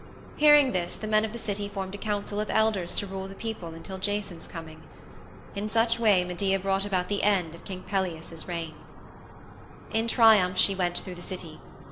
Hearing this the men of the city formed a council of elders to rule the people until Jason's coming. In such way Medea brought about the end of King Pelias's reign. In triumph she went through the city.